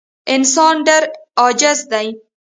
انسان ډېر عاجز دی.